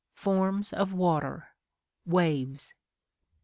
Forms of Water (Waves).